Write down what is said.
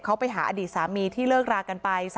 เขาไปหาอดีตสามีที่เลิกรากันไป